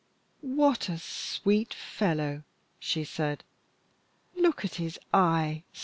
"What a sweet fellow!" she said. "Look at his eye!